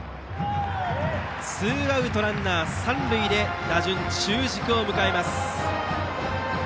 ツーアウトランナー、三塁で打順、中軸を迎えます。